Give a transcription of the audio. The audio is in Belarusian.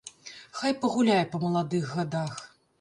Хай пагуляе па маладых гадах.